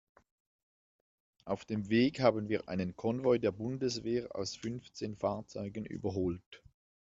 Auf dem Weg haben wir einen Konvoi der Bundeswehr aus fünfzehn Fahrzeugen überholt.